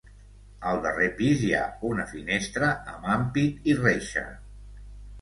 Al darrer pis, hi ha una finestra amb ampit i reixa.